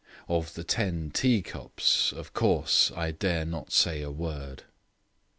Of the Ten Teacups, of course I dare not say a word.